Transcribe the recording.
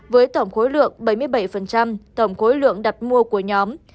với tổng khối lượng bảy mươi bảy tổng khối lượng đặt mua của nhóm